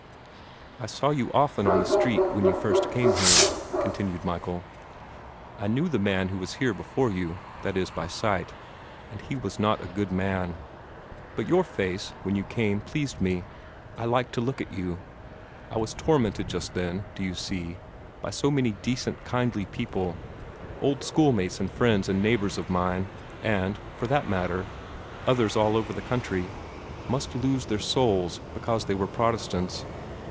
"I saw you often on the street when first you came here," continued Michael. "I knew the man who was here before you that is, by sight and he was not a good man. But your face, when you came, pleased me. I liked to look at you. I was tormented just then, do you see, that so many decent, kindly people, old school mates and friends and neighbors of mine and, for that matter, others all over the country must lose their souls because they were Protestants.